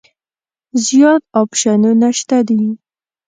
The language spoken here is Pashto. زیات اپشنونه شته دي.